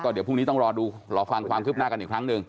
เดี๋ยวพรุ่งนี้ต้องรอดูรอฟังความคืบหน้ากันอีกครั้งหนึ่ง